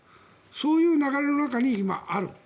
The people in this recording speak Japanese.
そういう流れの中に今ある。